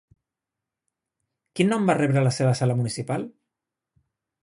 Quin nom va rebre la seva sala municipal?